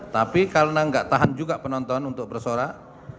tapi karena nggak tahan juga penonton untuk bersorak